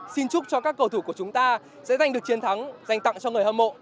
xin chúc cho các cầu thủ của chúng ta sẽ giành được chiến thắng dành tặng cho người hâm mộ